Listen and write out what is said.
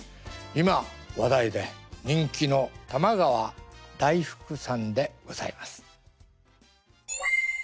今話題で人気の玉川太福さんでございます。